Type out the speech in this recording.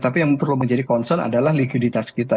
tapi yang perlu menjadi concern adalah likuiditas kita